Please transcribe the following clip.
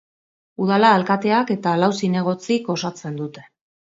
Udala alkateak eta lau zinegotzik osatzen dute.